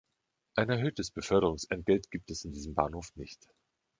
Ein erhöhtes Beförderungsentgelt gibt es in diesem Bahnhof nicht.